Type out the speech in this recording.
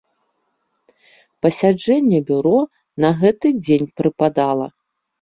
Пасяджэнне бюро на гэты дзень прыпадала.